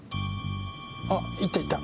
あっ行った行った。